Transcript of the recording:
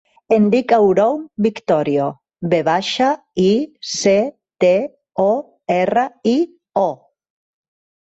Em dic Haroun Victorio: ve baixa, i, ce, te, o, erra, i, o.